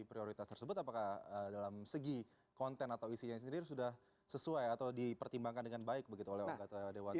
prioritas tersebut apakah dalam segi konten atau isinya sendiri sudah sesuai atau dipertimbangkan dengan baik begitu oleh dewan